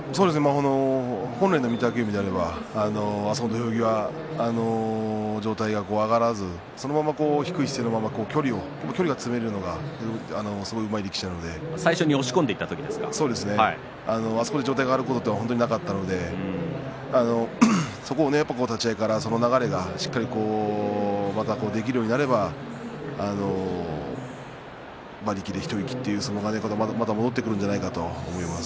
本来の御嶽海であれば土俵際上体が上がらずにそのまま低い姿勢のまま距離を詰めるのがすごいうまい力士なのであそこで上体が上がることがなかったのでやっぱり立ち合いからその流れがしっかりまたできるようになれば馬力で一息という相撲が戻ってくるんじゃないかと思います。